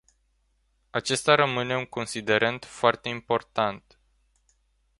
Acesta rămâne un considerent foarte important.